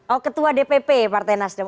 oh ketua dpp partai nasdem